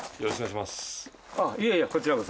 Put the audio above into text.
いえいえこちらこそ。